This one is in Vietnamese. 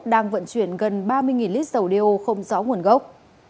đang vận chuyển gần ba mươi lít dầu đeo không rõ nguồn gốc